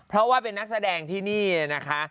เพราะว่าเป็นนักแสดงที่นี่นะคะ